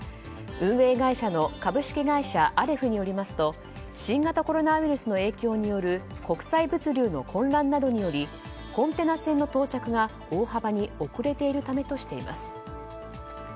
運営会社の株式会社アレフによりますと新型コロナウイルスの影響による国際物流の混乱などによりコンテナ船の到着が大幅に遅れているためとしています。